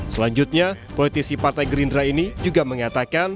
selanjutnya politisi partai gerindra ini juga mengatakan